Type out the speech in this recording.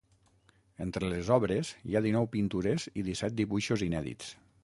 Entre les obres, hi ha dinou pintures i disset dibuixos inèdits.